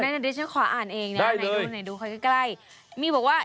นั่นอันนี้ฉันขออ่านเองนะได้เลยไหนดูไหนดูค่อยใกล้มีบอกว่า